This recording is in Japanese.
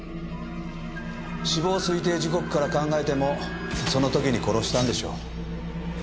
死亡推定時刻から考えてもその時に殺したんでしょう。